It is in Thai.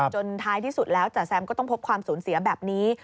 ท้ายที่สุดแล้วจ๋าแซมก็ต้องพบความสูญเสียแบบนี้